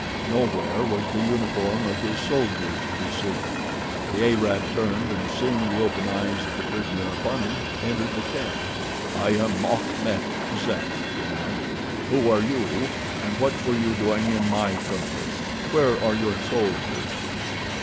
Nowhere was the uniform of his soldiers to be seen. The Arab turned and seeing the open eyes of the prisoner upon him, entered the tent. "I am Achmet Zek," he announced. "Who are you, and what were you doing in my country? Where are your soldiers?"